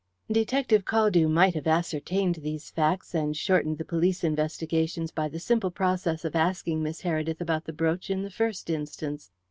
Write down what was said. Detective Caldew might have ascertained these facts and shortened the police investigations by the simple process of asking Miss Heredith about the brooch in the first instance.